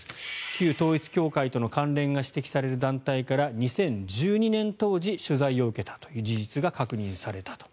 旧統一教会との関連が指摘される団体から２０１２年当時、取材を受けたという事実が確認されたと。